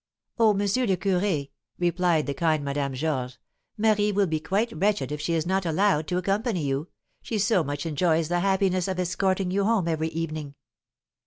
"Oh, M. le Curé," replied the kind Madame Georges, "Marie will be quite wretched if she is not allowed to accompany you; she so much enjoys the happiness of escorting you home every evening."